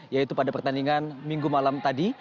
yaitu pada pertandingan minggu malam tadi